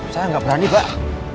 saya gak berani pak